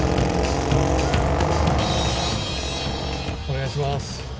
お願いします。